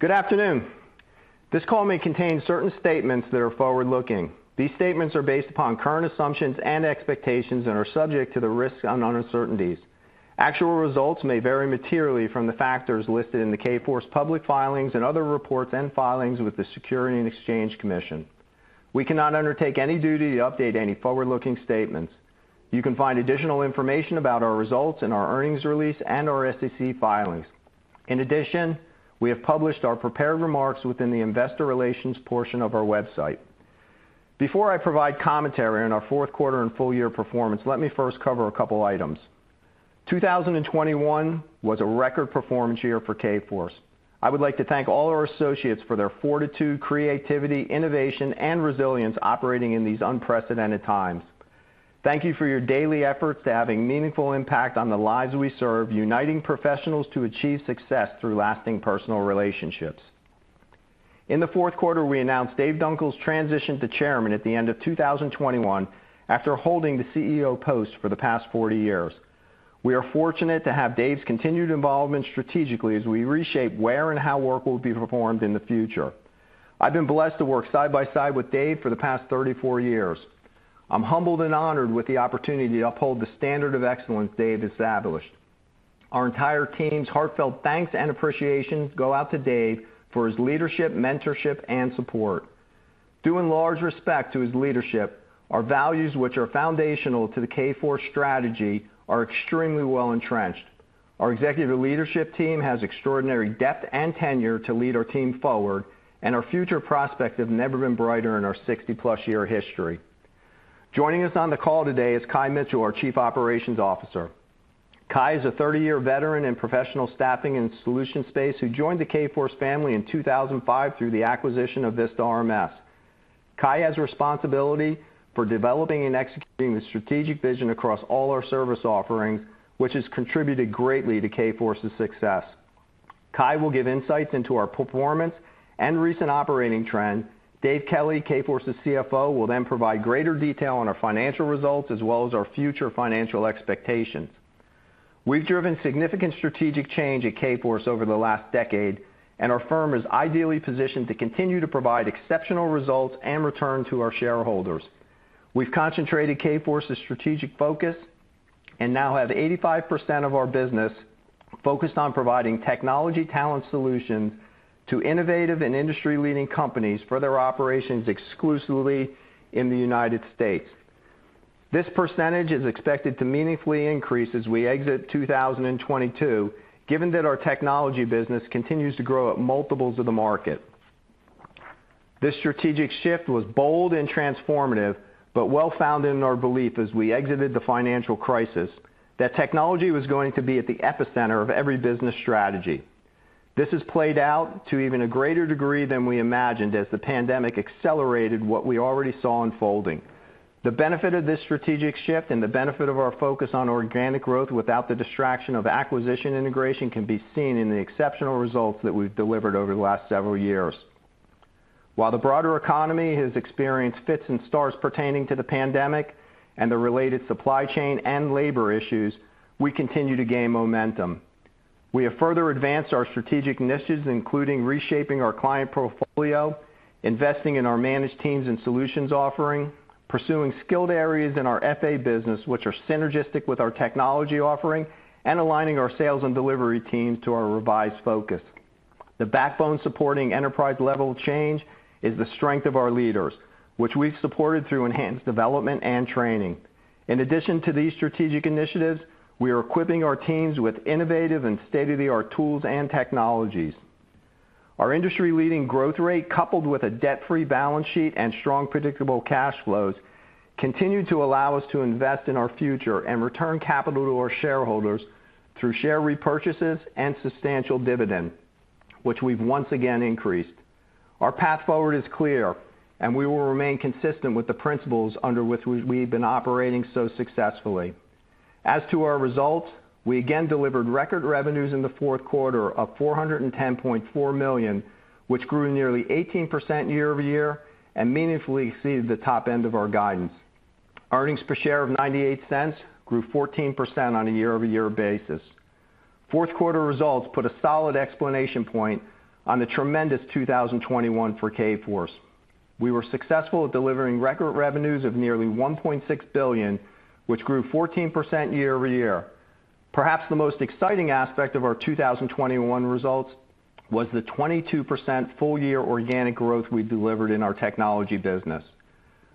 Good afternoon. This call may contain certain statements that are forward-looking. These statements are based upon current assumptions and expectations and are subject to the risks and uncertainties. Actual results may vary materially from the factors listed in the Kforce public filings and other reports and filings with the Securities and Exchange Commission. We cannot undertake any duty to update any forward-looking statements. You can find additional information about our results in our earnings release and our SEC filings. In addition, we have published our prepared remarks within the investor relations portion of our website. Before I provide commentary on our Q4 and full year performance, let me first cover a couple items. 2021 was a record performance year for Kforce. I would like to thank all our associates for their fortitude, creativity, innovation, and resilience operating in these unprecedented times. Thank you for your daily efforts in having meaningful impact on the lives we serve, uniting professionals to achieve success through lasting personal relationships. In the, we announced Dave Dunkel's transition to Chairman at the end of 2021 after holding the CEO post for the past 40 years. We are fortunate to have Dave's continued involvement strategically as we reshape where and how work will be performed in the future. I've been blessed to work side by side with Dave for the past 34 years. I'm humbled and honored with the opportunity to uphold the standard of excellence Dave established. Our entire team's heartfelt thanks and appreciation go out to Dave for his leadership, mentorship, and support. Due in large respect to his leadership, our values, which are foundational to the Kforce strategy, are extremely well-entrenched. Our executive leadership team has extraordinary depth and tenure to lead our team forward, and our future prospects have never been brighter in our 60-plus year history. Joining us on the call today is Kye Mitchell, our Chief Operations Officer. Kye is a 30-year veteran in professional staffing and solutions space who joined the Kforce family in 2005 through the acquisition of VistaRMS. Kye has responsibility for developing and executing the strategic vision across all our service offerings, which has contributed greatly to Kforce's success. Kye will give insights into our performance and recent operating trends. Dave Kelly, Kforce's CFO, will then provide greater detail on our financial results as well as our future financial expectations. We've driven significant strategic change at Kforce over the last decade, and our firm is ideally positioned to continue to provide exceptional results and return to our shareholders. We've concentrated Kforce's strategic focus and now have 85% of our business focused on providing technology talent solutions to innovative and industry-leading companies for their operations exclusively in the United States. This percentage is expected to meaningfully increase as we exit 2022, given that our technology business continues to grow at multiples of the market. This strategic shift was bold and transformative, but well-founded in our belief as we exited the financial crisis, that technology was going to be at the epicenter of every business strategy. This has played out to even a greater degree than we imagined as the pandemic accelerated what we already saw unfolding. The benefit of this strategic shift and the benefit of our focus on organic growth without the distraction of acquisition integration can be seen in the exceptional results that we've delivered over the last several years. While the broader economy has experienced fits and starts pertaining to the pandemic and the related supply chain and labor issues, we continue to gain momentum. We have further advanced our strategic initiatives, including reshaping our client portfolio, investing in our managed teams and solutions offering, pursuing skilled areas in our FA business, which are synergistic with our technology offering, and aligning our sales and delivery teams to our revised focus. The backbone supporting enterprise-level change is the strength of our leaders, which we've supported through enhanced development and training. In addition to these strategic initiatives, we are equipping our teams with innovative and state-of-the-art tools and technologies. Our industry-leading growth rate, coupled with a debt-free balance sheet and strong, predictable cash flows, continue to allow us to invest in our future and return capital to our shareholders through share repurchases and substantial dividend, which we've once again increased. Our path forward is clear, and we will remain consistent with the principles under which we've been operating so successfully. As to our results, we again delivered record revenues in the Q4 of $410.4 million, which grew nearly 18% year-over-year and meaningfully exceeded the top end of our guidance. Earnings per share of $0.98 grew 14% on a year-over-year basis. Q4 results put a solid exclamation point on the tremendous 2021 for Kforce. We were successful at delivering record revenues of nearly $1.6 billion, which grew 14% year-over-year. Perhaps the most exciting aspect of our 2021 results was the 22% full year organic growth we delivered in our technology business.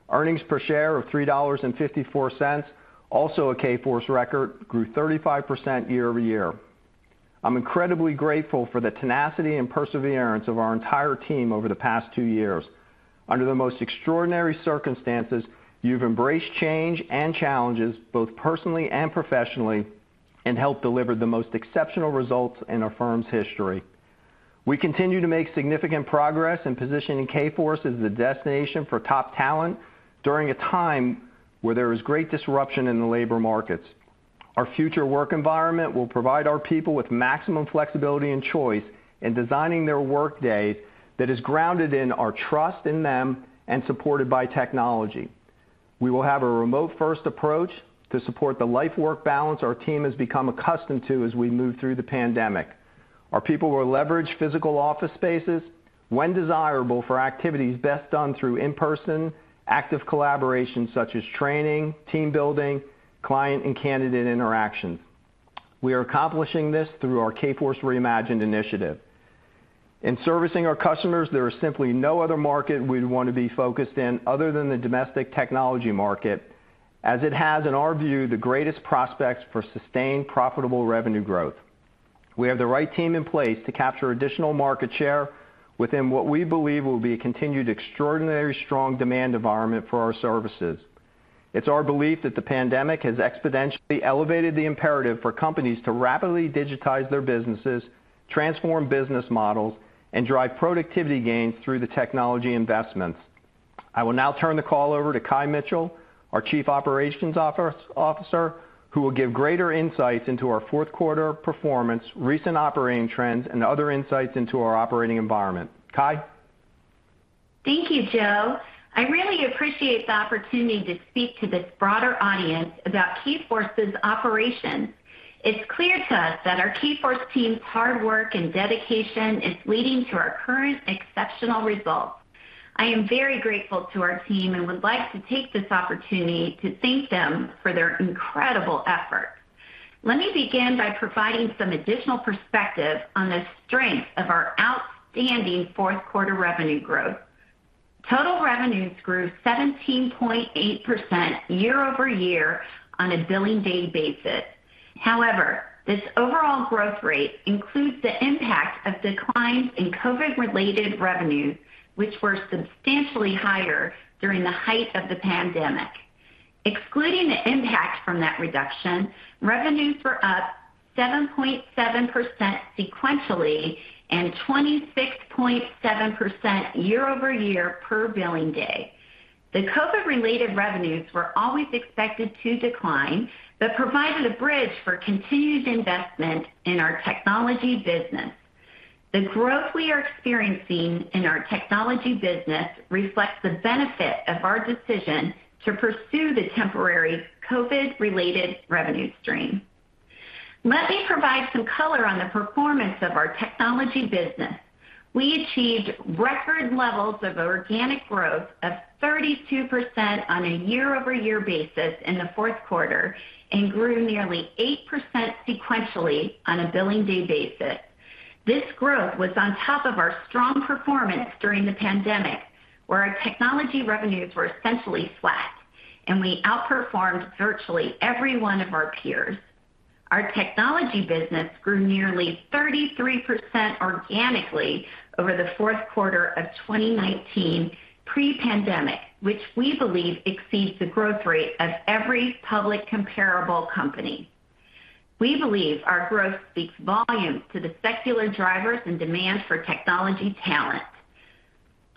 Earnings per share of $3.54, also a Kforce record, grew 35% year-over-year. I'm incredibly grateful for the tenacity and perseverance of our entire team over the past two years. Under the most extraordinary circumstances, you've embraced change and challenges, both personally and professionally, and helped deliver the most exceptional results in our firm's history. We continue to make significant progress in positioning Kforce as the destination for top talent during a time where there is great disruption in the labor markets. Our future work environment will provide our people with maximum flexibility and choice in designing their workday that is grounded in our trust in them and supported by technology. We will have a remote-first approach to support the life-work balance our team has become accustomed to as we move through the pandemic. Our people will leverage physical office spaces when desirable for activities best done through in-person active collaboration, such as training, team building, client and candidate interactions. We are accomplishing this through our Kforce Reimagined initiative. In servicing our customers, there is simply no other market we'd want to be focused in other than the domestic technology market, as it has, in our view, the greatest prospects for sustained profitable revenue growth. We have the right team in place to capture additional market share within what we believe will be a continued extraordinary strong demand environment for our services. It's our belief that the pandemic has exponentially elevated the imperative for companies to rapidly digitize their businesses, transform business models, and drive productivity gains through the technology investments. I will now turn the call over to Kye Mitchell, our Chief Operations Officer, who will give greater insights into our Q4 performance, recent operating trends, and other insights into our operating environment. Kye? Thank you, Joe. I really appreciate the opportunity to speak to this broader audience about Kforce's operations. It's clear to us that our Kforce team's hard work and dedication is leading to our current exceptional results. I am very grateful to our team and would like to take this opportunity to thank them for their incredible effort. Let me begin by providing some additional perspective on the strength of our outstanding Q4 revenue growth. Total revenues grew 17.8% year-over-year on a billing day basis. However, this overall growth rate includes the impact of declines in COVID-related revenues, which were substantially higher during the height of the pandemic. Excluding the impact from that reduction, revenues were up 7.7% sequentially and 26.7% year-over-year per billing day. The COVID-related revenues were always expected to decline, but provided a bridge for continued investment in our technology business. The growth we are experiencing in our technology business reflects the benefit of our decision to pursue the temporary COVID-related revenue stream. Let me provide some color on the performance of our technology business. We achieved record levels of organic growth of 32% on a year-over-year basis in the Q4 and grew nearly 8% sequentially on a billing day basis. This growth was on top of our strong performance during the pandemic, where our technology revenues were essentially flat, and we outperformed virtually every one of our peers. Our technology business grew nearly 33% organically over the Q4 of 2019 pre-pandemic, which we believe exceeds the growth rate of every public comparable company. We believe our growth speaks volumes to the secular drivers and demand for technology talent.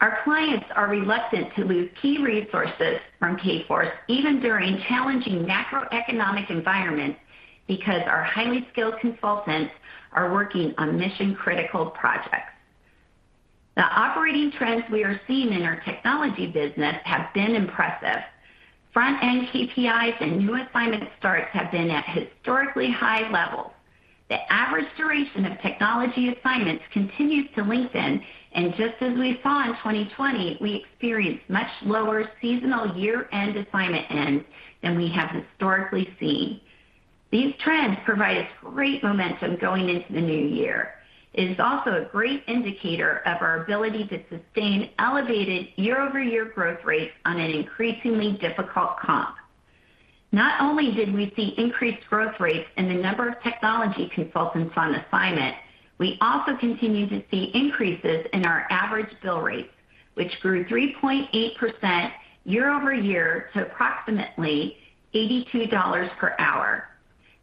Our clients are reluctant to lose key resources from Kforce, even during challenging macroeconomic environments, because our highly skilled consultants are working on mission-critical projects. The operating trends we are seeing in our technology business have been impressive. Front-end KPIs and new assignment starts have been at historically high levels. The average duration of technology assignments continues to lengthen, and just as we saw in 2020, we experienced much lower seasonal year-end assignment ends than we have historically seen. These trends provide us great momentum going into the new year. It is also a great indicator of our ability to sustain elevated year-over-year growth rates on an increasingly difficult comp. Not only did we see increased growth rates in the number of technology consultants on assignment, we also continued to see increases in our average bill rates, which grew 3.8% year-over-year to approximately $82 per hour.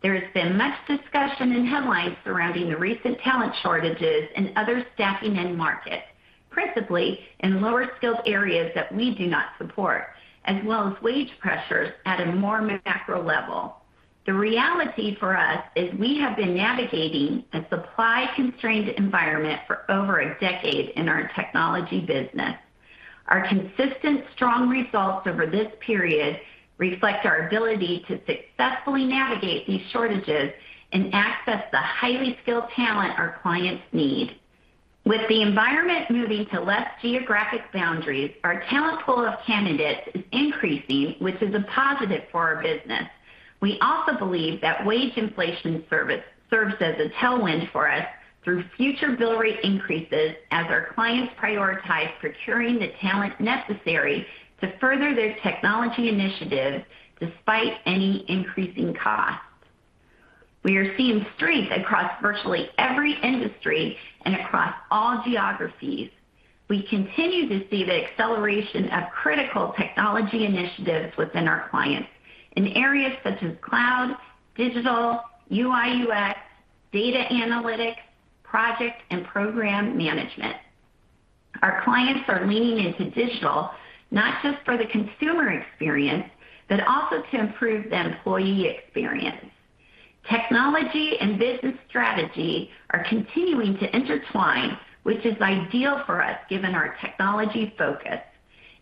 There has been much discussion and headlines surrounding the recent talent shortages and other staffing end markets, principally in lower-skilled areas that we do not support, as well as wage pressures at a more macro level. The reality for us is we have been navigating a supply-constrained environment for over a decade in our technology business. Our consistent, strong results over this period reflect our ability to successfully navigate these shortages and access the highly skilled talent our clients need. With the environment moving to less geographic boundaries, our talent pool of candidates is increasing, which is a positive for our business. We also believe that wage inflation serves as a tailwind for us through future bill rate increases as our clients prioritize procuring the talent necessary to further their technology initiatives despite any increasing costs. We are seeing strength across virtually every industry and across all geographies. We continue to see the acceleration of critical technology initiatives within our clients in areas such as cloud, digital, UI/UX, data analytics, project, and program management. Our clients are leaning into digital, not just for the consumer experience, but also to improve the employee experience. Technology and business strategy are continuing to intertwine, which is ideal for us given our technology focus.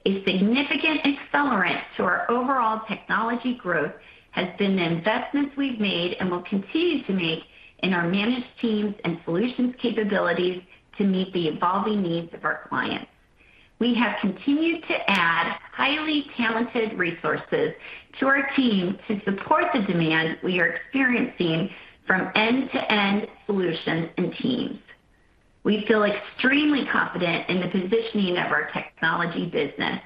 A significant accelerant to our overall technology growth has been the investments we've made and will continue to make in our managed teams and solutions capabilities to meet the evolving needs of our clients. We have continued to add highly talented resources to our team to support the demand we are experiencing from end-to-end solutions and teams. We feel extremely confident in the positioning of our technology business.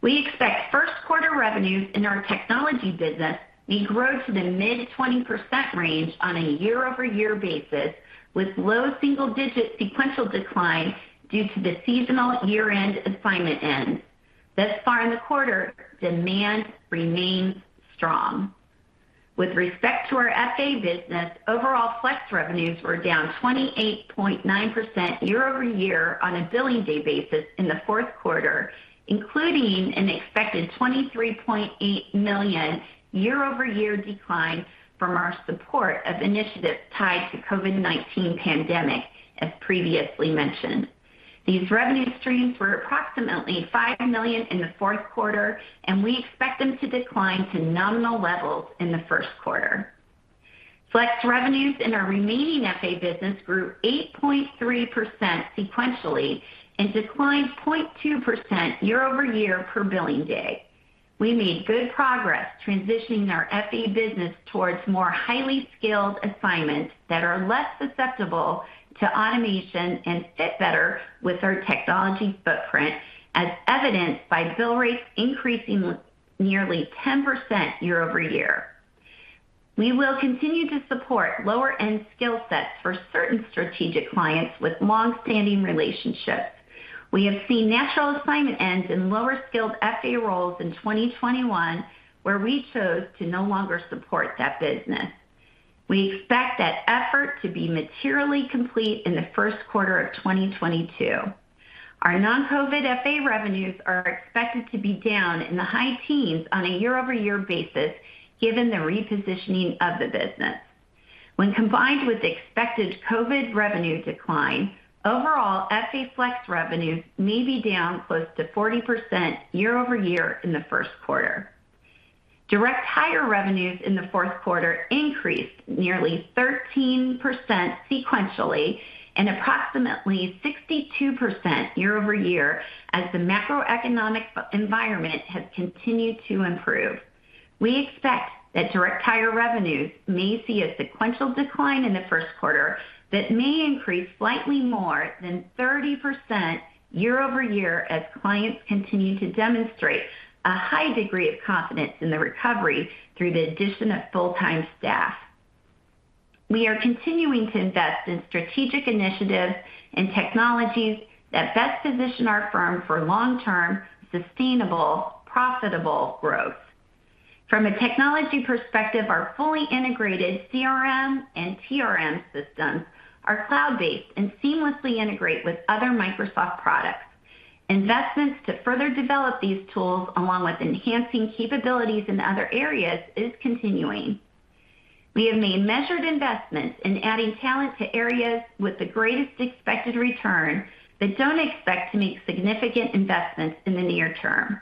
We expect Q1 revenues in our technology business may grow to the mid-20% range on a year-over-year basis, with low single-digit sequential decline due to the seasonal year-end assignment end. Thus far in the quarter, demand remains strong. With respect to our FA business, overall flex revenues were down 28.9% year-over-year on a billing day basis in the Q4, including an expected $23.8 million year-over-year decline from our support of initiatives tied to COVID-19 pandemic, as previously mentioned. These revenue streams were approximately $5 million in the Q4, and we expect them to decline to nominal levels in the Q1. Flex revenues in our remaining FA business grew 8.3% sequentially and declined 0.2% year-over-year per billing day. We made good progress transitioning our FA business towards more highly skilled assignments that are less susceptible to automation and fit better with our technology footprint, as evidenced by bill rates increasing nearly 10% year-over-year. We will continue to support lower end skill sets for certain strategic clients with long-standing relationships. We have seen natural assignment ends in lower skilled FA roles in 2021 where we chose to no longer support that business. We expect that effort to be materially complete in the Q1 of 2022. Our non-COVID FA revenues are expected to be down in the high teens on a year-over-year basis given the repositioning of the business. When combined with expected COVID revenue decline, overall FA flex revenues may be down close to 40% year-over-year in the Q1. Direct hire revenues in the Q4 increased nearly 13% sequentially and approximately 62% year-over-year as the macroeconomic environment has continued to improve. We expect that direct hire revenues may see a sequential decline in the Q1 that may increase slightly more than 30% year-over-year as clients continue to demonstrate a high degree of confidence in the recovery through the addition of full-time staff. We are continuing to invest in strategic initiatives and technologies that best position our firm for long-term, sustainable, profitable growth. From a technology perspective, our fully integrated CRM and TRM systems are cloud-based and seamlessly integrate with other Microsoft products. Investments to further develop these tools along with enhancing capabilities in other areas is continuing. We have made measured investments in adding talent to areas with the greatest expected return, but don't expect to make significant investments in the near term.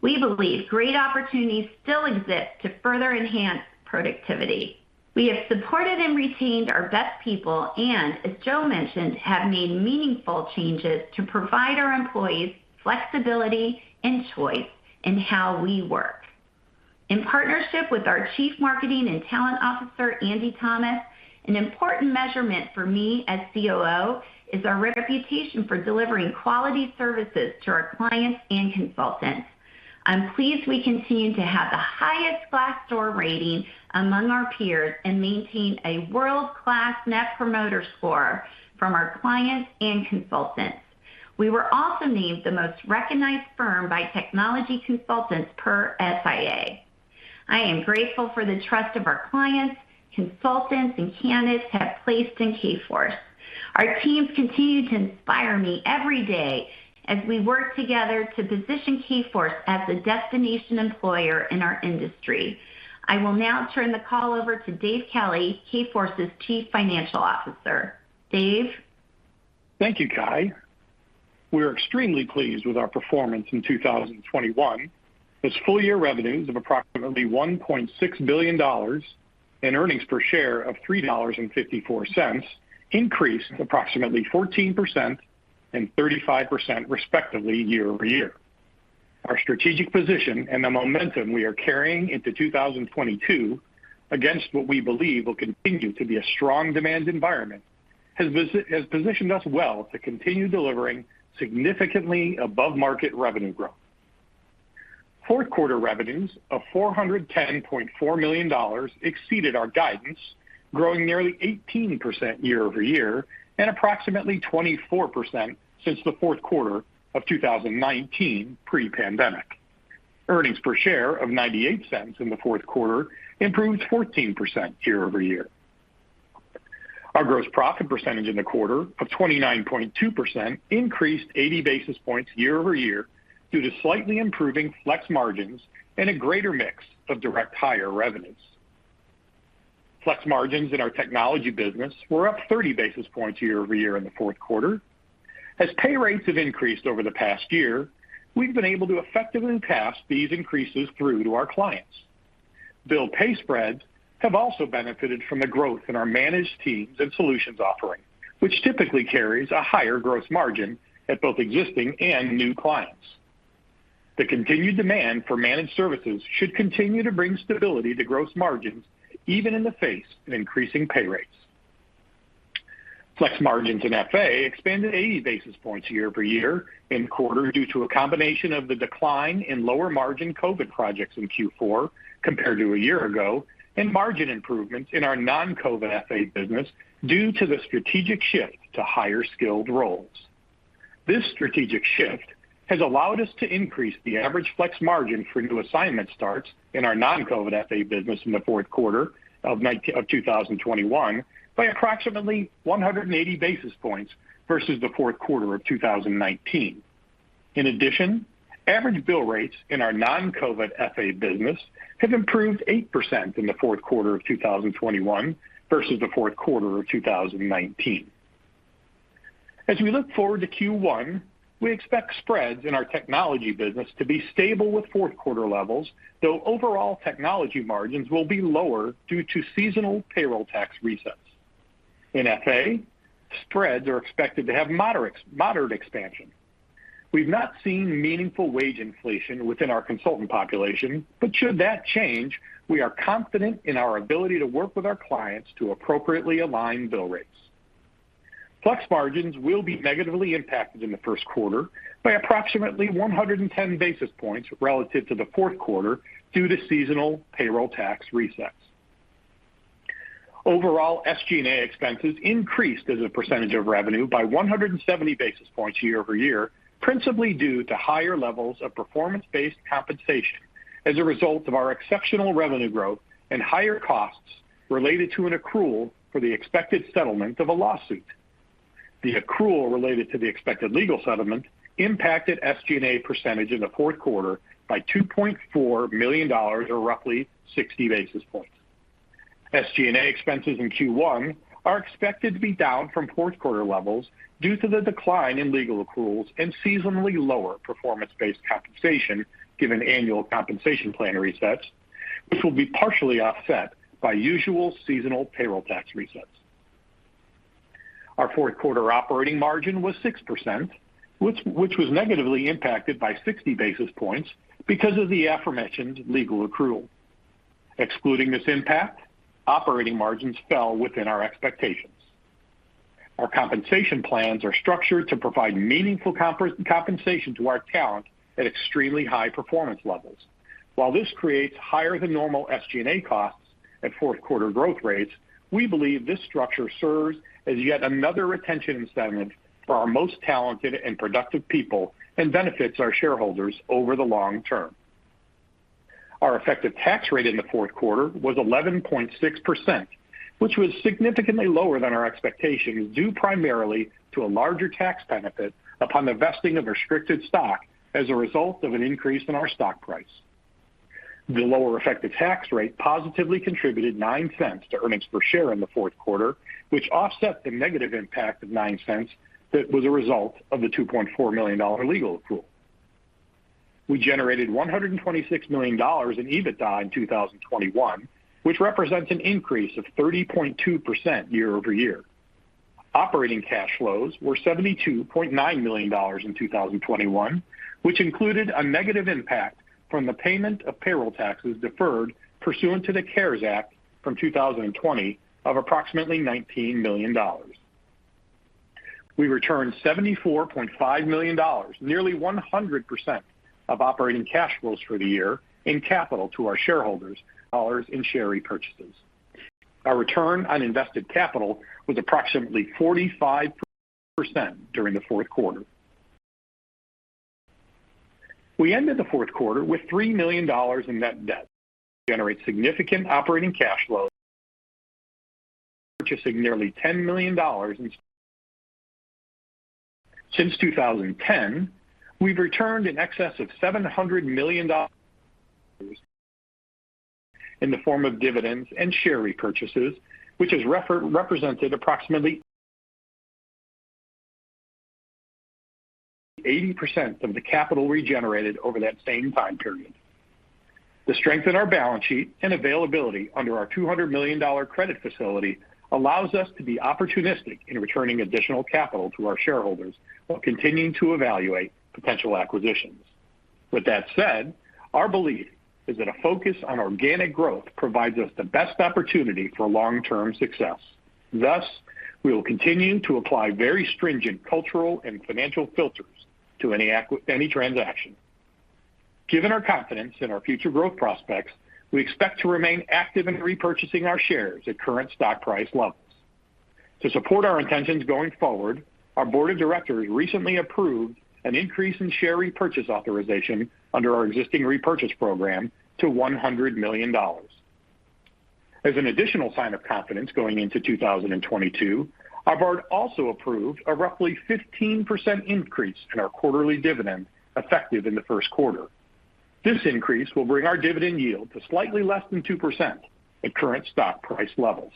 We believe great opportunities still exist to further enhance productivity. We have supported and retained our best people and, as Joe mentioned, have made meaningful changes to provide our employees flexibility and choice in how we work. In partnership with our Chief Marketing and Talent Officer, Andy Thomas, an important measurement for me as COO is our reputation for delivering quality services to our clients and consultants. I'm pleased we continue to have the highest Glassdoor rating among our peers and maintain a world-class net promoter score from our clients and consultants. We were also named the most recognized firm by technology consultants per SIA. I am grateful for the trust that our clients, consultants, and candidates have placed in Kforce. Our teams continue to inspire me every day as we work together to position Kforce as a destination employer in our industry. I will now turn the call over to Dave Kelly, Kforce's Chief Financial Officer. Dave? Thank you, Kye. We are extremely pleased with our performance in 2021, as full year revenues of approximately $1.6 billion and earnings per share of $3.54 increased approximately 14% and 35% respectively year-over-year. Our strategic position and the momentum we are carrying into 2022 against what we believe will continue to be a strong demand environment has positioned us well to continue delivering significantly above market revenue growth. Q4 revenues of $410.4 million exceeded our guidance, growing nearly 18% year-over-year and approximately 24% since the Q4 of 2019 pre-pandemic. Earnings per share of $0.98 in the Q4 improved 14% year-over-year. Our gross profit percentage in the quarter of 29.2% increased 80 basis points year-over-year due to slightly improving flex margins and a greater mix of direct hire revenues. Flex margins in our technology business were up 30 basis points year-over-year in the Q4. As pay rates have increased over the past year, we've been able to effectively pass these increases through to our clients. Bill pay spreads have also benefited from the growth in our managed teams and solutions offering, which typically carries a higher gross margin at both existing and new clients. The continued demand for managed services should continue to bring stability to gross margins, even in the face of increasing pay rates. Flex margins in FA expanded 80 basis points year-over-year in quarter due to a combination of the decline in lower margin COVID projects in Q4 compared to a year ago, and margin improvements in our non-COVID FA business due to the strategic shift to higher skilled roles. This strategic shift has allowed us to increase the average flex margin for new assignment starts in our non-COVID FA business in the Q4 of 2021 by approximately 180 basis points versus the Q4 of 2019. In addition, average bill rates in our non-COVID FA business have improved 8% in the Q4 of 2021 versus the Q4 of 2019. As we look forward to Q1, we expect spreads in our technology business to be stable with Q4 levels, though overall technology margins will be lower due to seasonal payroll tax resets. In FA, spreads are expected to have moderate ex-moderate expansion. We've not seen meaningful wage inflation within our consultant population, but should that change, we are confident in our ability to work with our clients to appropriately align bill rates. Flex margins will be negatively impacted in the Q1 by approximately 110 basis points relative to the Q4 due to seasonal payroll tax resets. Overall, SG&A expenses increased as a percentage of revenue by 170 basis points year-over-year, principally due to higher levels of performance-based compensation as a result of our exceptional revenue growth and higher costs related to an accrual for the expected settlement of a lawsuit. The accrual related to the expected legal settlement impacted SG&A percentage in the Q4 by $2.4 million or roughly 60 basis points. SG&A expenses in Q1 are expected to be down from Q4 levels due to the decline in legal accruals and seasonally lower performance-based compensation, given annual compensation plan resets, which will be partially offset by usual seasonal payroll tax resets. Our Q4 operating margin was 6%, which was negatively impacted by 60 basis points because of the aforementioned legal accrual. Excluding this impact, operating margins fell within our expectations. Our compensation plans are structured to provide meaningful compensation to our talent at extremely high performance levels. While this creates higher than normal SG&A costs at Q4 growth rates, we believe this structure serves as yet another retention incentive for our most talented and productive people, and benefits our shareholders over the long term. Our effective tax rate in the Q4 was 11.6%, which was significantly lower than our expectations, due primarily to a larger tax benefit upon the vesting of restricted stock as a result of an increase in our stock price. The lower effective tax rate positively contributed $0.09 to earnings per share in the Q4, which offset the negative impact of $0.09 that was a result of the $2.4 million legal accrual. We generated $126 million in EBITDA in 2021, which represents an increase of 30.2% year-over-year. Operating cash flows were $72.9 million in 2021, which included a negative impact from the payment of payroll taxes deferred pursuant to the CARES Act from 2020 of approximately $19 million. We returned $74.5 million, nearly 100% of operating cash flows for the year in capital to our shareholders in share repurchases. Our return on invested capital was approximately 45% during the Q4. We ended the Q4 with $3 million in net debt and generated significant operating cash flow. Since 2010, we've returned in excess of $700 million in the form of dividends and share repurchases, which has represented approximately 80% of the capital generated over that same time period. The strength in our balance sheet and availability under our $200 million credit facility allows us to be opportunistic in returning additional capital to our shareholders while continuing to evaluate potential acquisitions. With that said, our belief is that a focus on organic growth provides us the best opportunity for long-term success. Thus, we will continue to apply very stringent cultural and financial filters to any transaction. Given our confidence in our future growth prospects, we expect to remain active in repurchasing our shares at current stock price levels. To support our intentions going forward, our board of directors recently approved an increase in share repurchase authorization under our existing repurchase program to $100 million. As an additional sign of confidence going into 2022, our board also approved a roughly 15% increase in our quarterly dividend effective in the Q1. This increase will bring our dividend yield to slightly less than 2% at current stock price levels.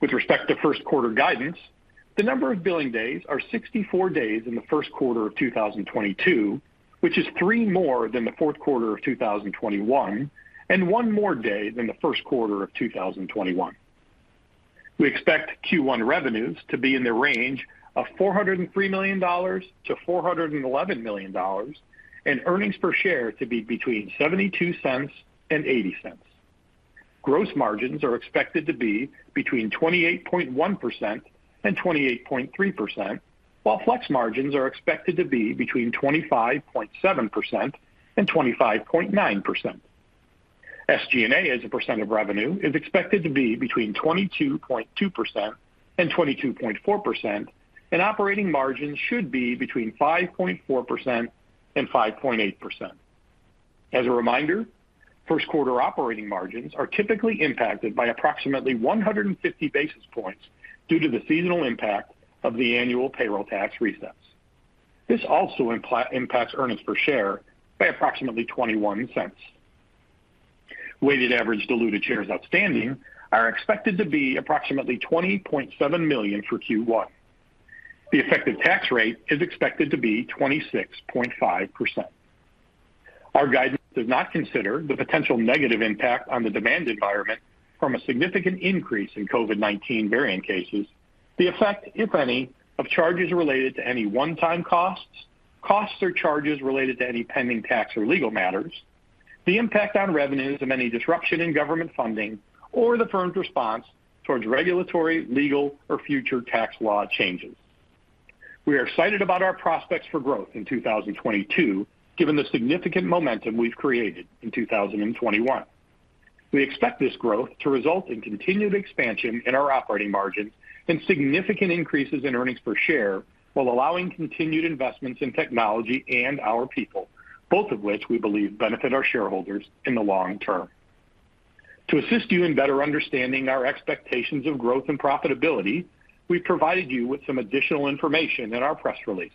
With respect to Q1 guidance, the number of billing days are 64 days in the Q1 of 2022, which is 3 more than the Q4 of 2021, and 1 more day than the Q1 of 2021. We expect Q1 revenues to be in the range of $403 million-$411 million, and earnings per share to be between $0.72 and $0.80. Gross margins are expected to be between 28.1%-28.3%, while flex margins are expected to be between 25.7%-25.9%. SG&A, as a percent of revenue, is expected to be between 22.2% and 22.4%, and operating margins should be between 5.4% and 5.8%. As a reminder, Q1 operating margins are typically impacted by approximately 150 basis points due to the seasonal impact of the annual payroll tax resets. This also impacts earnings per share by approximately $0.21. Weighted average diluted shares outstanding are expected to be approximately 20.7 million for Q1. The effective tax rate is expected to be 26.5%. Our guidance does not consider the potential negative impact on the demand environment from a significant increase in COVID-19 variant cases, the effect, if any, of charges related to any one-time costs or charges related to any pending tax or legal matters, the impact on revenues of any disruption in government funding or the firm's response towards regulatory, legal, or future tax law changes. We are excited about our prospects for growth in 2022, given the significant momentum we've created in 2021. We expect this growth to result in continued expansion in our operating margins and significant increases in earnings per share, while allowing continued investments in technology and our people, both of which we believe benefit our shareholders in the long term. To assist you in better understanding our expectations of growth and profitability, we provided you with some additional information in our press release.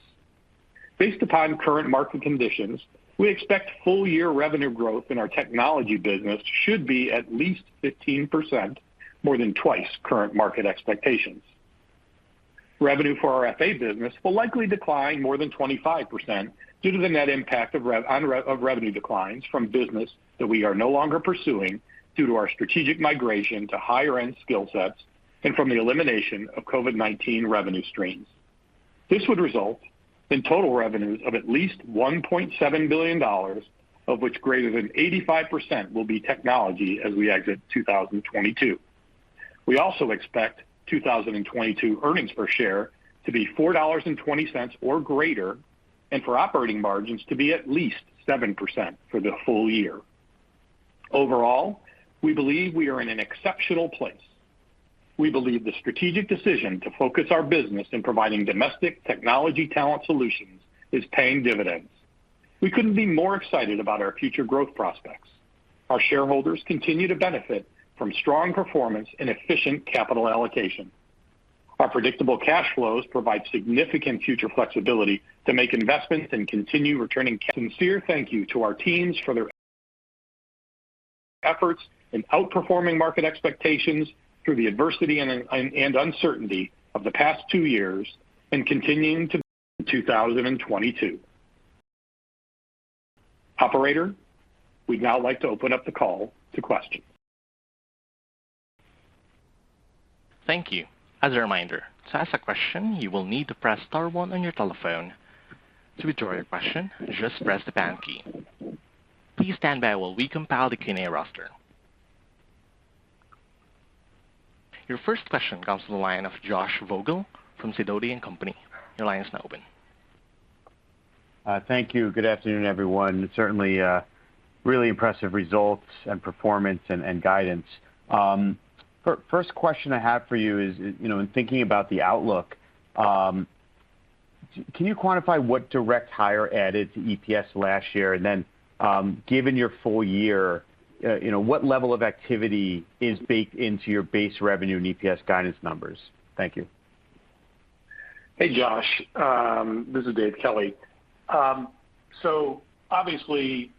Based upon current market conditions, we expect full year revenue growth in our technology business should be at least 15%, more than twice current market expectations. Revenue for our FA business will likely decline more than 25% due to the net impact of revenue declines from business that we are no longer pursuing due to our strategic migration to higher-end skill sets and from the elimination of COVID-19 revenue streams. This would result in total revenues of at least $1.7 billion, of which greater than 85% will be technology as we exit 2022. We also expect 2022 earnings per share to be $4.20 or greater, and for operating margins to be at least 7% for the full year. Overall, we believe we are in an exceptional place. We believe the strategic decision to focus our business in providing domestic technology talent solutions is paying dividends. We couldn't be more excited about our future growth prospects. Our shareholders continue to benefit from strong performance and efficient capital allocation. Our predictable cash flows provide significant future flexibility to make investments and continue returning. Sincere thank you to our teams for their efforts in outperforming market expectations through the adversity and uncertainty of the past two years and continuing to in 2022. Operator, we'd now like to open up the call to questions. Thank you. As a reminder, to ask a question, you will need to press star one on your telephone. To withdraw your question, just press the pound key. Please stand by while we compile the Q&A roster. Your first question comes from the line of Josh Vogel from Sidoti & Company. Your line is now open. Thank you. Good afternoon, everyone. Certainly, really impressive results and performance and guidance. First question I have for you is, you know, in thinking about the outlook, can you quantify what direct hire added to EPS last year? Given your full year, you know, what level of activity is baked into your base revenue and EPS guidance numbers? Thank you. Hey, Josh. This is Dave Kelly. So obviously,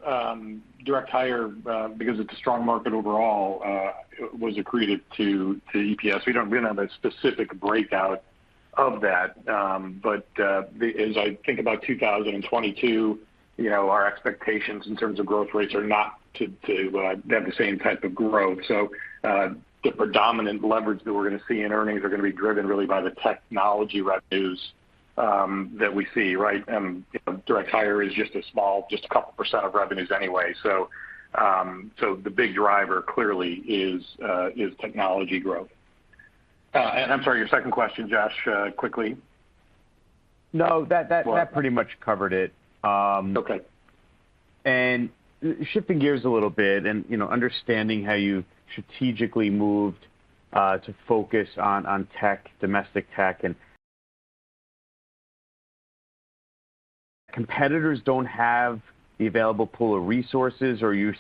direct hire, because it's a strong market overall, was accretive to EPS. We don't really have a specific breakout of that. As I think about 2022, you know, our expectations in terms of growth rates are not to have the same type of growth. The predominant leverage that we're gonna see in earnings are gonna be driven really by the technology revenues that we see, right? Direct hire is just a small, a couple percent of revenues anyway. The big driver clearly is technology growth. I'm sorry, your second question, Josh, quickly. No, that pretty much covered it. Okay. Shifting gears a little bit and, you know, understanding how you strategically moved to focus on tech, domestic tech, and competitors don't have the available pool of resources. Are you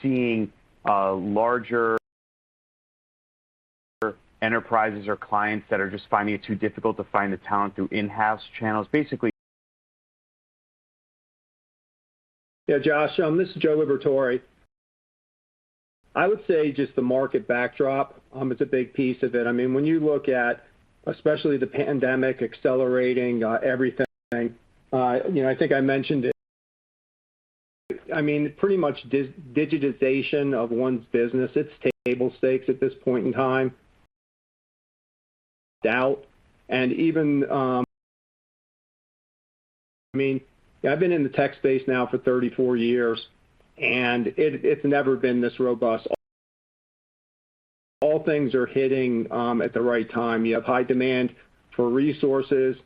seeing larger enterprises or clients that are just finding it too difficult to find the talent through in-house channels? Basically Yeah, Josh, this is Joe Liberatore. I would say just the market backdrop, it's a big piece of it. I mean, when you look at especially the pandemic accelerating everything, you know, I think I mentioned it. I mean, pretty much digitization of one's business, it's table stakes at this point in time. I've been in the tech space now for 34 years, and it's never been this robust. All things are hitting at the right time. You have high demand for resources.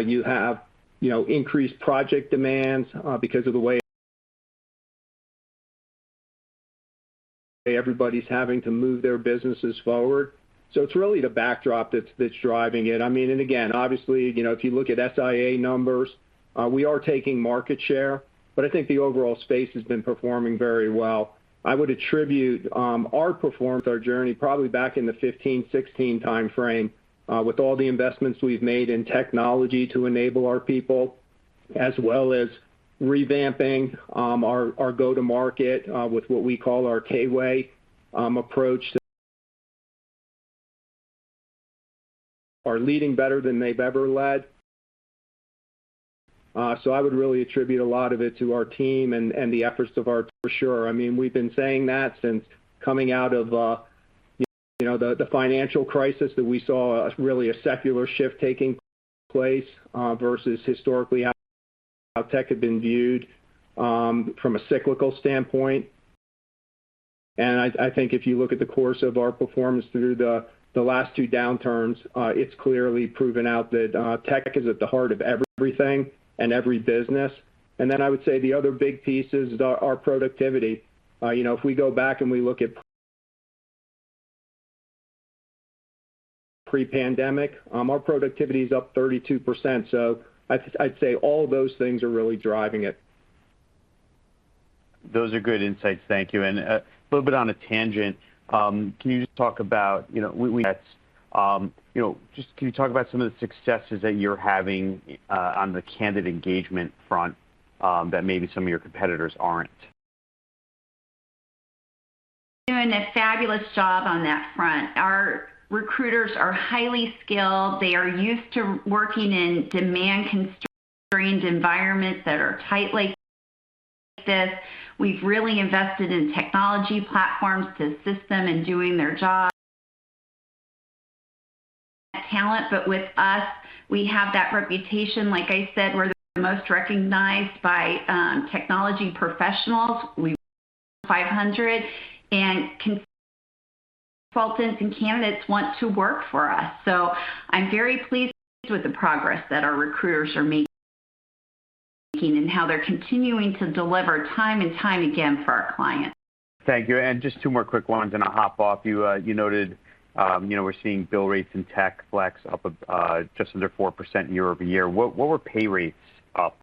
You have, you know, increased project demands, because of the way everybody's having to move their businesses forward. So it's really the backdrop that's driving it. I mean, obviously, you know, if you look at SIA numbers, we are taking market share, but I think the overall space has been performing very well. I would attribute our performance, our journey probably back in the 2015, 2016 timeframe, with all the investments we've made in technology to enable our people, as well as revamping our go-to-market with what we call our K Way approach. Are leading better than they've ever led. I would really attribute a lot of it to our team and the efforts of our. For sure. I mean, we've been saying that since coming out of, you know, the financial crisis that we saw, really a secular shift taking place versus historically how tech had been viewed from a cyclical standpoint. I think if you look at the course of our performance through the last two downturns, it's clearly proven out that tech is at the heart of everything and every business. Then I would say the other big piece is our productivity. You know, if we go back and we look at pre-pandemic, our productivity is up 32%. I'd say all those things are really driving it. Those are good insights. Thank you. A little bit on a tangent, you know, just can you talk about some of the successes that you're having on the candidate engagement front that maybe some of your competitors aren't? Doing a fabulous job on that front. Our recruiters are highly skilled. They are used to working in demand-constrained environments that are tight like this. We've really invested in technology platforms to assist them in doing their job. Talent. But with us, we have that reputation. Like I said, we're the most recognized by technology professionals. Fortune 500. Consultants and candidates want to work for us. I'm very pleased with the progress that our recruiters are making and how they're continuing to deliver time and time again for our clients. Thank you. Just two more quick ones, and I'll hop off. You noted, you know, we're seeing bill rates in Tech Flex up just under 4% year-over-year. What were pay rates up?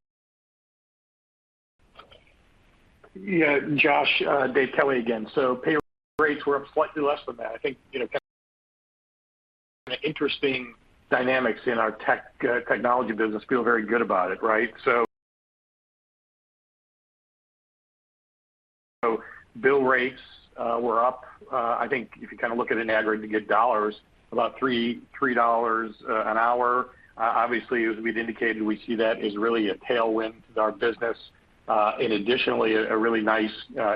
Yeah. Josh, Dave Kelly again. Pay rates were up slightly less than that. I think, you know, kind of interesting dynamics in our tech technology business feel very good about it, right? Bill rates were up. I think if you kind of look at an aggregate, you get dollars about $3 an hour. Obviously, as we've indicated, we see that as really a tailwind to our business. And additionally, a really nice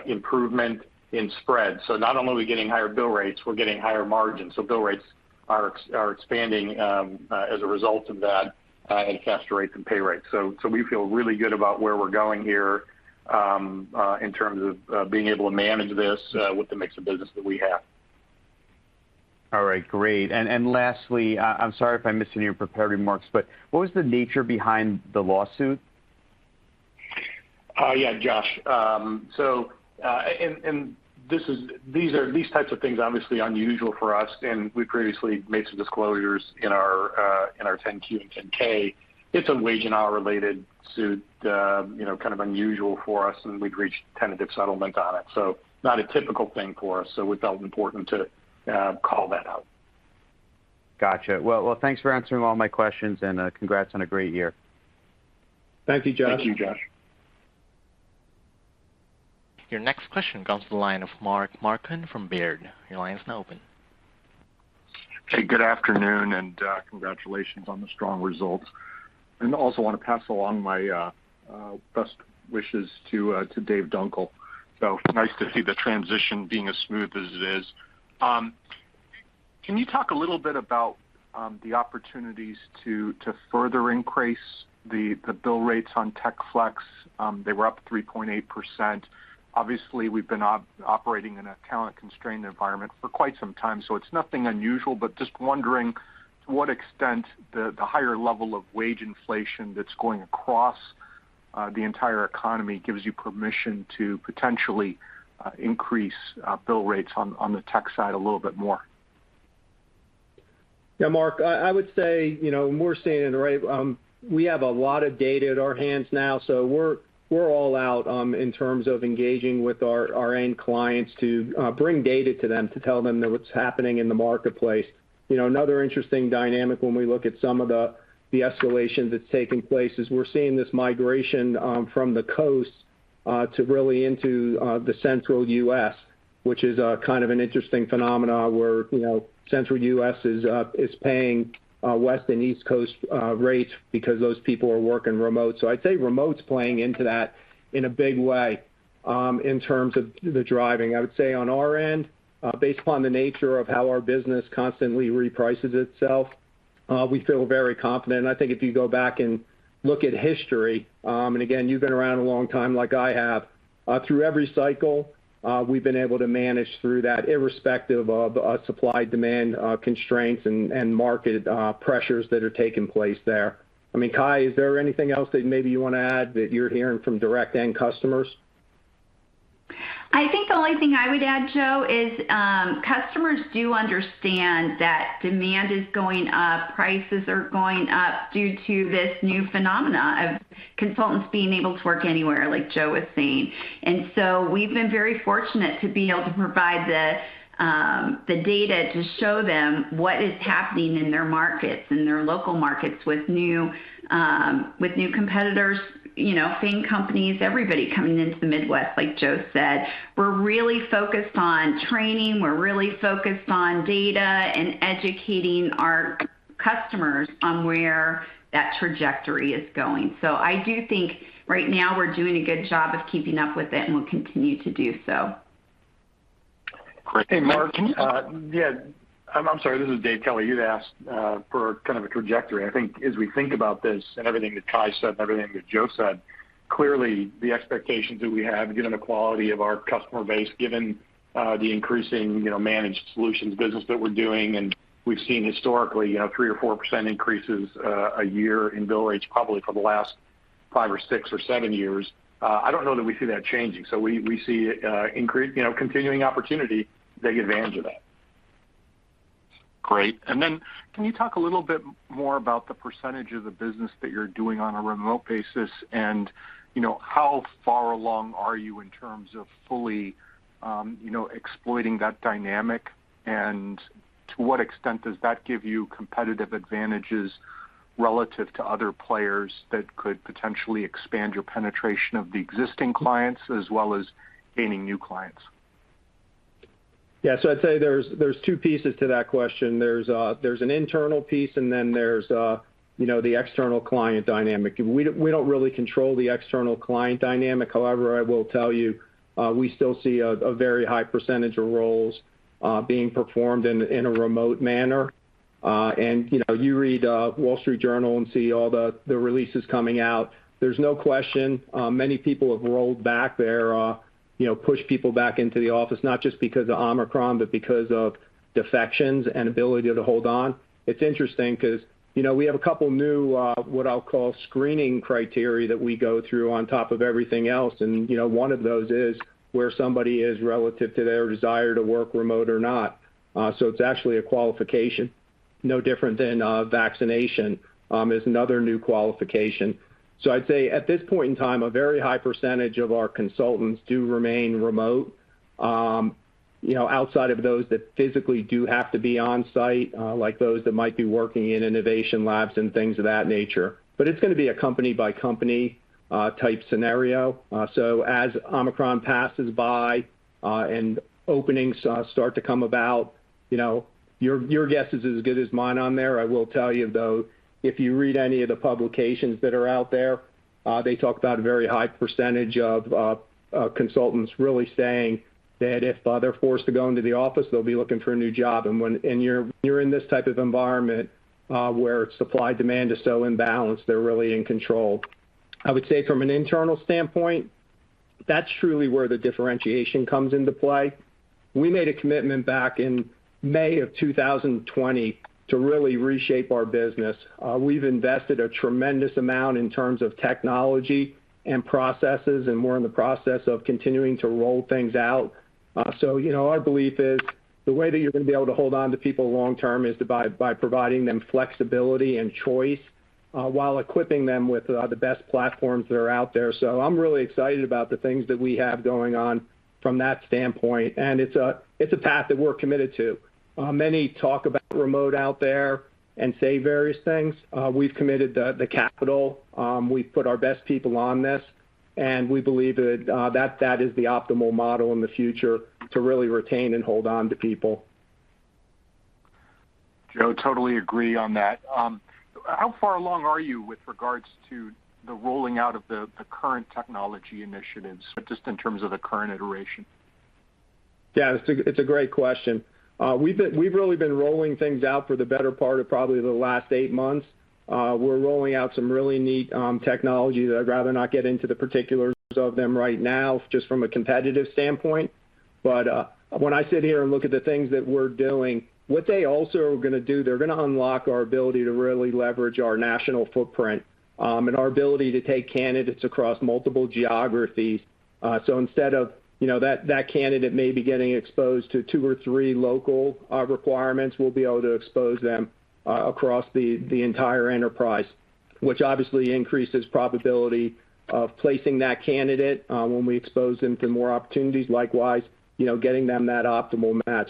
improvement in spread. Not only are we getting higher bill rates, we're getting higher margins. Bill rates are expanding as a result of that, and cash rates and pay rates. We feel really good about where we're going here, in terms of being able to manage this with the mix of business that we have. All right, great. Lastly, I'm sorry if I missed it in your prepared remarks, but what was the nature behind the lawsuit? Yeah, Josh. These types of things are obviously unusual for us, and we previously made some disclosures in our 10-Q and 10-K. It's a wage and hour related suit, you know, kind of unusual for us, and we've reached tentative settlement on it. Not a typical thing for us. We felt important to call that out. Gotcha. Well, thanks for answering all my questions, and congrats on a great year. Thank you, Josh. Thank you, Josh. Your next question comes to the line of Mark Marcon from Baird. Your line is now open. Hey, good afternoon, and congratulations on the strong results. I also want to pass along my best wishes to Dave Dunkel. Nice to see the transition being as smooth as it is. Can you talk a little bit about the opportunities to further increase the bill rates on Tech Flex? They were up 3.8%. Obviously, we've been operating in a talent-constrained environment for quite some time, so it's nothing unusual, but just wondering to what extent the higher level of wage inflation that's going across the entire economy gives you permission to potentially increase bill rates on the tech side a little bit more? Yeah, Mark, I would say, you know, we're seeing it, right? We have a lot of data at our hands now, so we're all out in terms of engaging with our end clients to bring data to them to tell them what's happening in the marketplace. You know, another interesting dynamic when we look at some of the escalation that's taking place is we're seeing this migration from the coast to really into the central U.S., which is kind of an interesting phenomenon where, you know, central U.S. is paying West and East Coast rates because those people are working remote. So I'd say remote's playing into that in a big way in terms of the driving. I would say on our end, based upon the nature of how our business constantly reprices itself, we feel very confident. I think if you go back and look at history, and again, you've been around a long time like I have, through every cycle, we've been able to manage through that irrespective of, supply-demand, constraints and market, pressures that are taking place there. I mean, Kye, is there anything else that maybe you wanna add that you're hearing from direct end customers? I think the only thing I would add, Joe, is, customers do understand that demand is going up, prices are going up due to this new phenomenon of consultants being able to work anywhere, like Joe was saying. We've been very fortunate to be able to provide the data to show them what is happening in their markets, in their local markets with new competitors, you know, FAANG companies, everybody coming into the Midwest, like Joe said. We're really focused on training, we're really focused on data and educating our customers on where that trajectory is going. I do think right now we're doing a good job of keeping up with it, and we'll continue to do so. Great. Hey, Mark. This is Dave Kelly. You'd asked for kind of a trajectory. I think as we think about this and everything that Kye said and everything that Joe said, clearly the expectations that we have, given the quality of our customer base, given the increasing, you know, managed solutions business that we're doing, and we've seen historically, you know, 3% or 4% increases a year in bill rates probably for the last five or six or seven years, I don't know that we see that changing. So we see continuing opportunity to take advantage of that. Great. Then can you talk a little bit more about the percentage of the business that you're doing on a remote basis? You know, how far along are you in terms of fully, you know, exploiting that dynamic? To what extent does that give you competitive advantages relative to other players that could potentially expand your penetration of the existing clients as well as gaining new clients? Yeah. I'd say there's two pieces to that question. There's an internal piece, and then there's you know the external client dynamic. We don't really control the external client dynamic. However, I will tell you, we still see a very high percentage of roles being performed in a remote manner. You know you read Wall Street Journal and see all the releases coming out. There's no question, many people have rolled back their you know push people back into the office, not just because of Omicron, but because of defections and ability to hold on. It's interesting 'cause you know we have a couple new what I'll call screening criteria that we go through on top of everything else. You know, one of those is where somebody is relative to their desire to work remote or not. It's actually a qualification, no different than vaccination is another new qualification. I'd say at this point in time, a very high percentage of our consultants do remain remote, you know, outside of those that physically do have to be on site, like those that might be working in innovation labs and things of that nature. It's gonna be a company-by-company type scenario. As Omicron passes by, and openings start to come about, you know, your guess is as good as mine on there. I will tell you, though, if you read any of the publications that are out there, they talk about a very high percentage of consultants really saying that if they're forced to go into the office, they'll be looking for a new job. When you're in this type of environment, where supply-demand is so imbalanced, they're really in control. I would say from an internal standpoint, that's truly where the differentiation comes into play. We made a commitment back in May 2020 to really reshape our business. We've invested a tremendous amount in terms of technology and processes, and we're in the process of continuing to roll things out. You know, our belief is the way that you're gonna be able to hold on to people long term is to, by providing them flexibility and choice, while equipping them with the best platforms that are out there. I'm really excited about the things that we have going on from that standpoint, and it's a path that we're committed to. Many talk about remote out there and say various things. We've committed the capital, we've put our best people on this, and we believe that that is the optimal model in the future to really retain and hold on to people. Joe, totally agree on that. How far along are you with regards to the rolling out of the current technology initiatives, just in terms of the current iteration? Yeah. It's a great question. We've really been rolling things out for the better part of probably the last eight months. We're rolling out some really neat technology that I'd rather not get into the particulars of them right now, just from a competitive standpoint. When I sit here and look at the things that we're doing, what they also are gonna do, they're gonna unlock our ability to really leverage our national footprint and our ability to take candidates across multiple geographies. Instead of, you know, that candidate may be getting exposed to two or three local requirements, we'll be able to expose them across the entire enterprise, which obviously increases probability of placing that candidate when we expose them to more opportunities, likewise, you know, getting them that optimal match.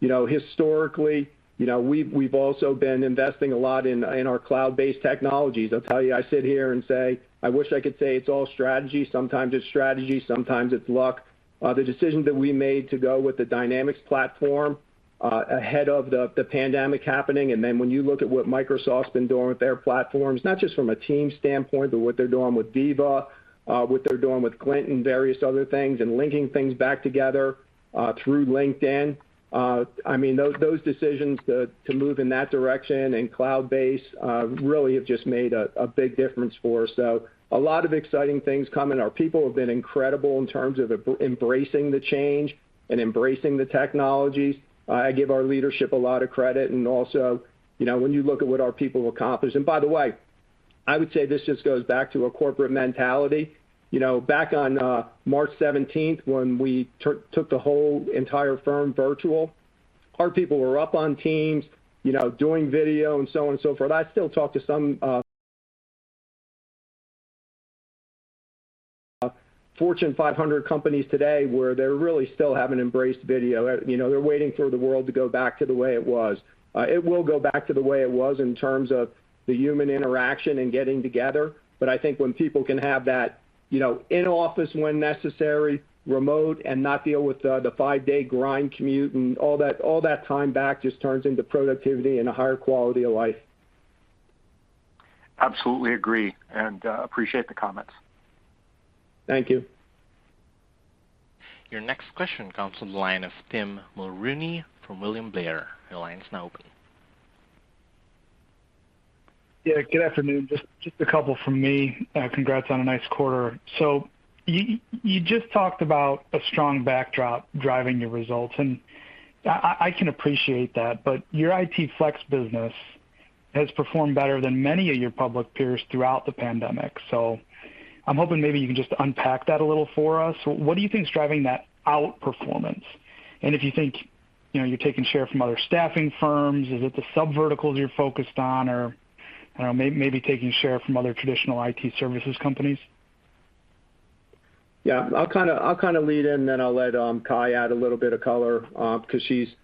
You know, historically, you know, we've also been investing a lot in our cloud-based technologies. I'll tell you, I sit here and say, I wish I could say it's all strategy. Sometimes it's strategy, sometimes it's luck. The decision that we made to go with the Dynamics platform ahead of the pandemic happening, and then when you look at what Microsoft's been doing with their platforms, not just from a Teams standpoint, but what they're doing with Viva, what they're doing with Copilot, various other things, and linking things back together through LinkedIn. I mean, those decisions to move in that direction and cloud-based really have just made a big difference for us. A lot of exciting things coming. Our people have been incredible in terms of embracing the change and embracing the technologies. I give our leadership a lot of credit and also, you know, when you look at what our people accomplish. By the way, I would say this just goes back to a corporate mentality. You know, back on March seventeenth when we took the whole entire firm virtual, our people were up on Teams, you know, doing video and so on and so forth. I still talk to some Fortune 500 companies today where they really still haven't embraced video. You know, they're waiting for the world to go back to the way it was. It will go back to the way it was in terms of the human interaction and getting together. I think when people can have that, you know, in-office when necessary, remote and not deal with the five-day grind commute and all that, all that time back just turns into productivity and a higher quality of life. Absolutely agree, and appreciate the comments. Thank you. Your next question comes from the line of Tim Mulrooney from William Blair. Your line is now open. Yeah, good afternoon. Just a couple from me. Congrats on a nice quarter. You just talked about a strong backdrop driving your results, and I can appreciate that. Your IT Flex business has performed better than many of your public peers throughout the pandemic. I'm hoping maybe you can just unpack that a little for us. What do you think is driving that outperformance? If you think, you know, you're taking share from other staffing firms, is it the subverticals you're focused on or, I don't know, maybe taking share from other traditional IT services companies? Yeah. I'll kinda lead in, then I'll let Kye add a little bit of color, 'cause she's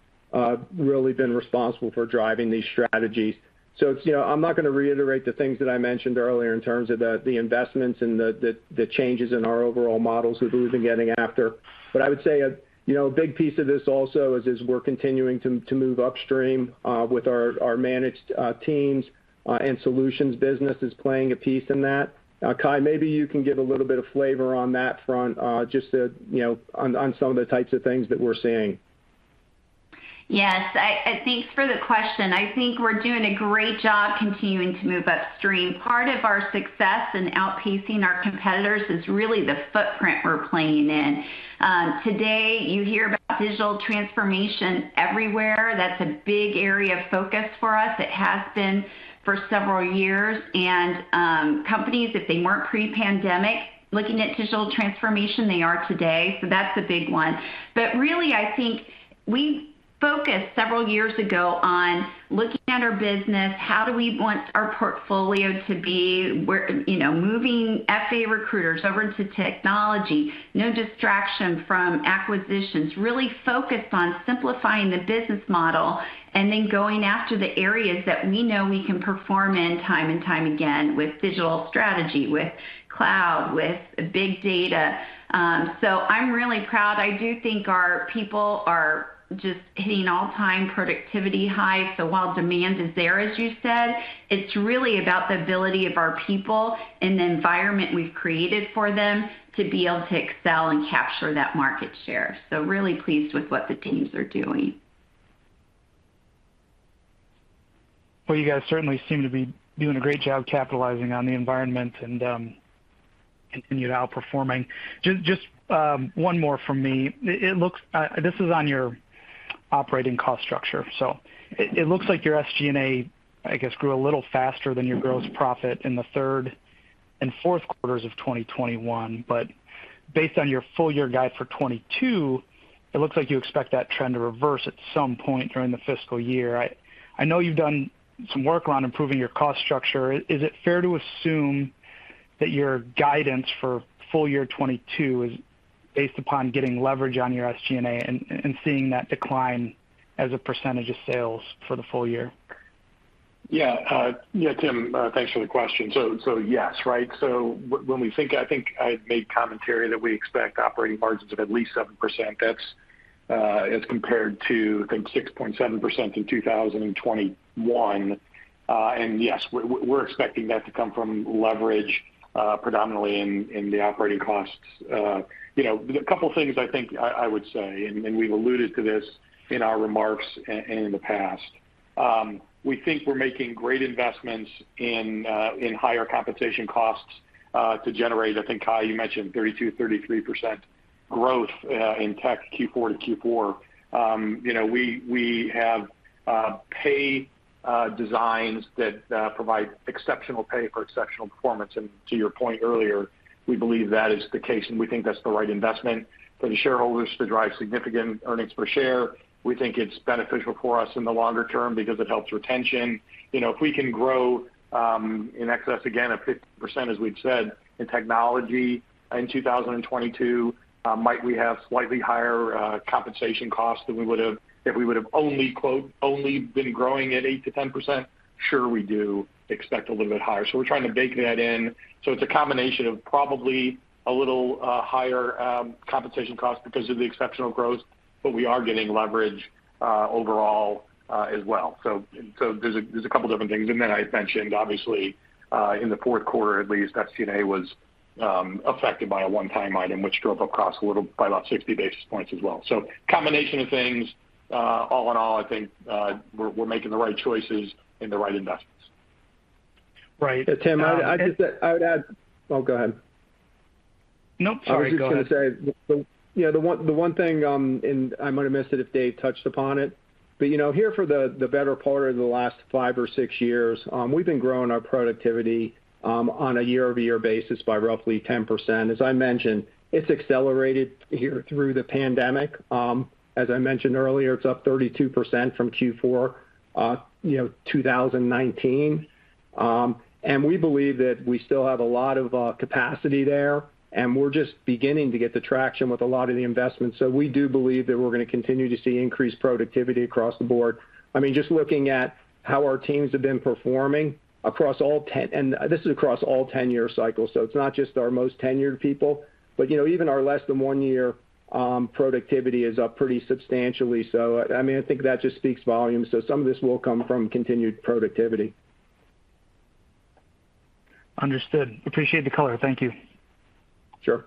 really been responsible for driving these strategies. It's, you know, I'm not gonna reiterate the things that I mentioned earlier in terms of the investments and the changes in our overall models of who we've been getting after. I would say, you know, a big piece of this also is we're continuing to move upstream with our managed teams and solutions business is playing a piece in that. Kye, maybe you can give a little bit of flavor on that front, just to, you know, on some of the types of things that we're seeing. Yes. Thanks for the question. I think we're doing a great job continuing to move upstream. Part of our success in outpacing our competitors is really the footprint we're playing in. Today, you hear about digital transformation everywhere. That's a big area of focus for us. It has been for several years. Companies, if they weren't pre-pandemic looking at digital transformation, they are today. That's a big one. Really, I think we focused several years ago on looking at our business, how do we want our portfolio to be, we're, you know, moving FA recruiters over into technology, no distraction from acquisitions, really focused on simplifying the business model, and then going after the areas that we know we can perform in time and time again with digital strategy, with cloud, with big data. I'm really proud. I do think our people are just hitting all-time productivity highs. While demand is there, as you said, it's really about the ability of our people and the environment we've created for them to be able to excel and capture that market share. Really pleased with what the teams are doing. Well, you guys certainly seem to be doing a great job capitalizing on the environment and continued outperforming. Just one more from me. It looks like this is on your operating cost structure. It looks like your SG&A, I guess, grew a little faster than your gross profit in the third and Q4 of 2021. Based on your full year guide for 2022, it looks like you expect that trend to reverse at some point during the fiscal year. I know you've done some work around improving your cost structure. Is it fair to assume that your guidance for full year 2022 is based upon getting leverage on your SG&A and seeing that decline as a percentage of sales for the full year? Tim, thanks for the question. So yes, right? When we think, I think I made commentary that we expect operating margins of at least 7%. That's as compared to, I think, 6.7% in 2021. And yes, we're expecting that to come from leverage, predominantly in the operating costs. You know, a couple things I think I would say, and we've alluded to this in our remarks and in the past. We think we're making great investments in higher compensation costs to generate, I think, Kye, you mentioned 32, 33%. Growth in tech Q4 to Q4. You know, we have pay designs that provide exceptional pay for exceptional performance. To your point earlier, we believe that is the case, and we think that's the right investment for the shareholders to drive significant earnings per share. We think it's beneficial for us in the longer term because it helps retention. You know, if we can grow in excess again of 50%, as we've said, in technology in 2022, might we have slightly higher compensation costs than we would have if we would have only, quote, "only" been growing at 8%-10%? Sure, we do expect a little bit higher. We're trying to bake that in. It's a combination of probably a little higher compensation cost because of the exceptional growth, but we are getting leverage overall as well. There's a couple different things. Then I had mentioned, obviously, in the Q4, at least, SG&A was affected by a one-time item which drove up costs a little by about 60 basis points as well. Combination of things. All in all, I think, we're making the right choices and the right investments. Right. Tim, I would add. Oh, go ahead. Nope. Sorry. Go ahead. I was just gonna say, you know, the one thing, and I might have missed it if Dave touched upon it, but, you know, here for the better part of the last five or six years, we've been growing our productivity on a year-over-year basis by roughly 10%. As I mentioned, it's accelerated here through the pandemic. As I mentioned earlier, it's up 32% from Q4 2019. We believe that we still have a lot of capacity there, and we're just beginning to get the traction with a lot of the investments. We do believe that we're gonna continue to see increased productivity across the board. I mean, just looking at how our teams have been performing across all ten... This is across all tenure cycles, so it's not just our most tenured people. You know, even our less than one year productivity is up pretty substantially. I mean, I think that just speaks volumes. Some of this will come from continued productivity. Understood. Appreciate the color. Thank you. Sure.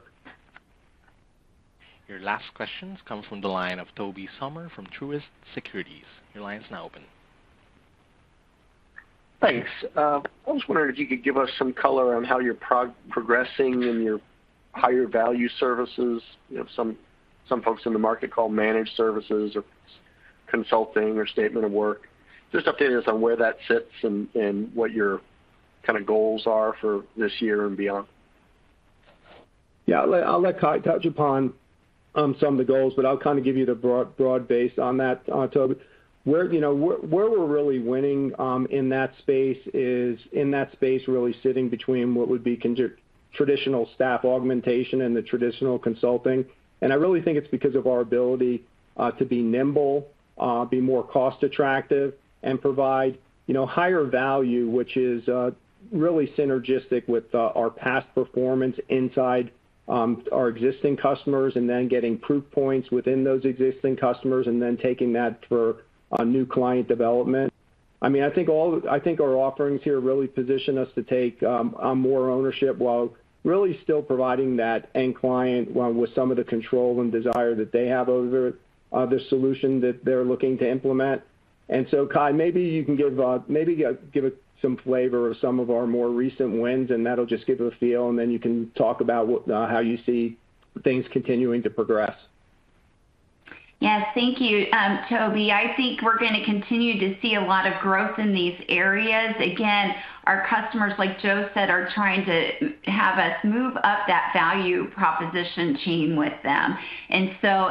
Your last question comes from the line of Tobey Sommer from Truist Securities. Your line's now open. Thanks. I was wondering if you could give us some color on how you're progressing in your higher value services. You know, some folks in the market call managed services or consulting or statement of work. Just update us on where that sits and what your kinda goals are for this year and beyond. Yeah. I'll let Kai touch upon some of the goals, but I'll kind of give you the broad base on that, Toby. Where you know we're really winning in that space is really sitting between what would be traditional staff augmentation and the traditional consulting. I really think it's because of our ability to be nimble, be more cost attractive and provide you know higher value, which is really synergistic with our past performance inside our existing customers, and then getting proof points within those existing customers, and then taking that for new client development. I mean, I think all... I think our offerings here really position us to take more ownership while really still providing that end-client value with some of the control and desire that they have over the solution that they're looking to implement. Kye, maybe you can give some flavor of some of our more recent wins, and that'll just give a feel, and then you can talk about what how you see things continuing to progress. Yes. Thank you, Toby. I think we're gonna continue to see a lot of growth in these areas. Again, our customers, like Joe said, are trying to have us move up that value proposition chain with them.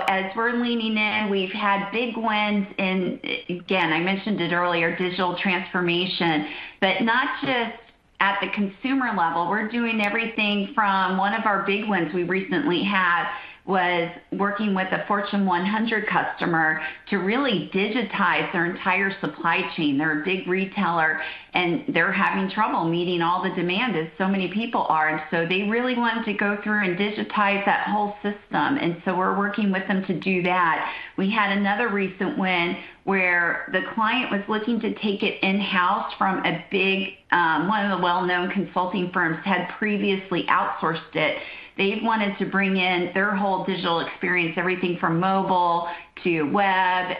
As we're leaning in, we've had big wins in, again, I mentioned it earlier, digital transformation, but not just at the consumer level. We're doing everything from one of our big wins we recently had was working with a Fortune 100 customer to really digitize their entire supply chain. They're a big retailer, and they're having trouble meeting all the demand, as so many people are. They really wanted to go through and digitize that whole system. We're working with them to do that. We had another recent win where the client was looking to take it in-house from a big, one of the well-known consulting firms had previously outsourced it. They wanted to bring in their whole digital experience, everything from mobile to web,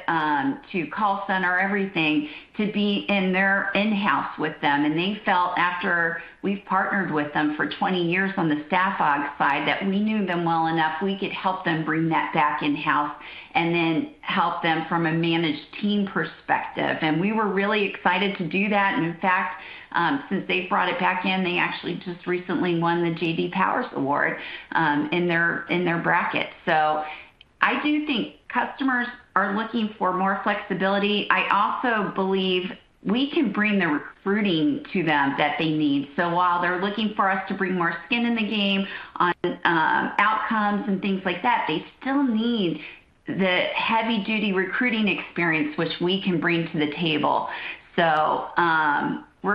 to call center, everything, to be in their in-house with them. They felt after we've partnered with them for 20 years on the Staff Aug side, that we knew them well enough, we could help them bring that back in-house and then help them from a managed team perspective. We were really excited to do that. In fact, since they've brought it back in, they actually just recently won the J.D. Power Award, in their bracket. I do think customers are looking for more flexibility. I also believe we can bring the recruiting to them that they need. While they're looking for us to bring more skin in the game on outcomes and things like that, they still need the heavy-duty recruiting experience which we can bring to the table. We're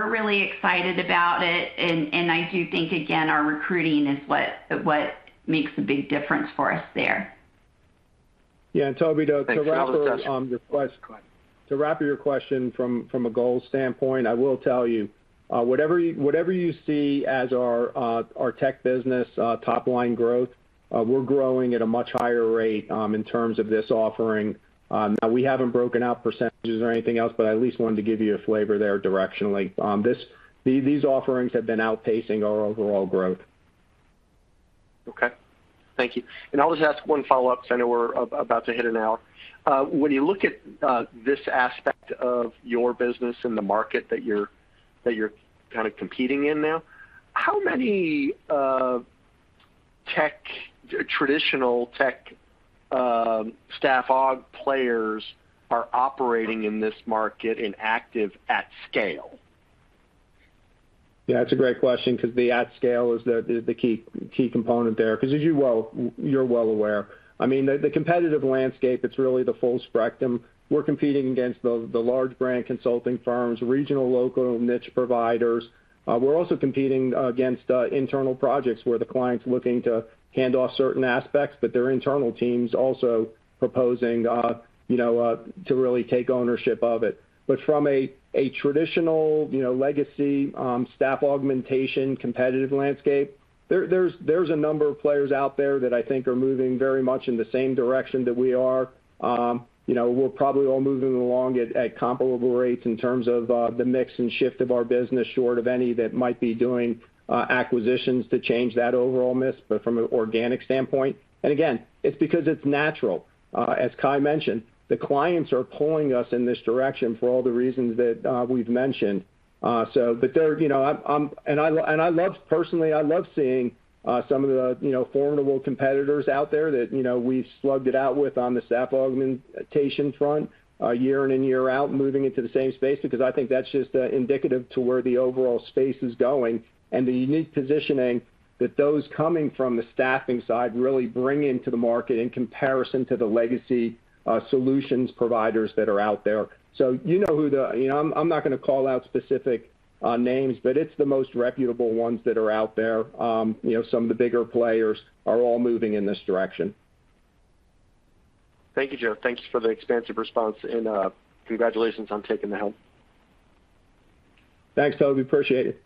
really excited about it. I do think, again, our recruiting is what makes a big difference for us there. Yeah. Tobey, to wrap up, your quest- Thanks for all the insights. To wrap up your question from a goals standpoint, I will tell you whatever you see as our tech business top line growth. We're growing at a much higher rate. Great, in terms of this offering. Now we haven't broken out percentages or anything else, but I at least wanted to give you a flavor there directionally. These offerings have been outpacing our overall growth. Okay. Thank you. I'll just ask one follow-up 'cause I know we're about to hit an hour. When you look at this aspect of your business in the market that you're kind of competing in now, how many traditional tech Staff Aug players are operating in this market and active at scale? Yeah, that's a great question because the at scale is the key component there. Because as you're well aware, I mean, the competitive landscape, it's really the full spectrum. We're competing against the large brand consulting firms, regional, local niche providers. We're also competing against internal projects where the client's looking to hand off certain aspects, but their internal team's also proposing you know to really take ownership of it. From a traditional you know legacy staff augmentation competitive landscape, there's a number of players out there that I think are moving very much in the same direction that we are. You know, we're probably all moving along at comparable rates in terms of the mix and shift of our business short of any that might be doing acquisitions to change that overall mix, but from an organic standpoint. Again, it's because it's natural. As Kai mentioned, the clients are pulling us in this direction for all the reasons that we've mentioned. You know, I, personally, love seeing some of the you know, formidable competitors out there that you know, we've slugged it out with on the staff augmentation front year in and year out moving into the same space because I think that's just indicative of where the overall space is going. The unique positioning that those coming from the staffing side really bring into the market in comparison to the legacy solutions providers that are out there. You know, I'm not gonna call out specific names, but it's the most reputable ones that are out there. You know, some of the bigger players are all moving in this direction. Thank you, Joe. Thanks for the expansive response and, congratulations on taking the helm. Thanks, Tobey. Appreciate it.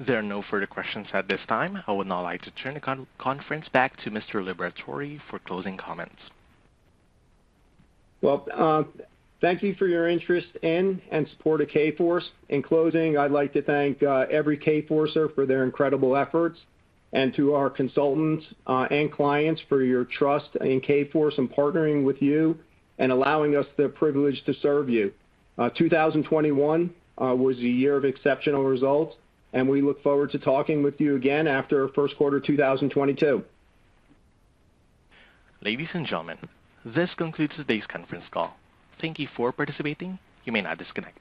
There are no further questions at this time. I would now like to turn the conference back to Mr. Liberatore for closing comments. Well, thank you for your interest in and support of Kforce. In closing, I'd like to thank every Kforcer for their incredible efforts and to our consultants and clients for your trust in Kforce, in partnering with you, and allowing us the privilege to serve you. 2021 was a year of exceptional results, and we look forward to talking with you again after our Q1 2022. Ladies and gentlemen, this concludes today's conference call. Thank you for participating. You may now disconnect.